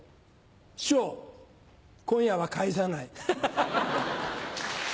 師匠今夜は帰さない。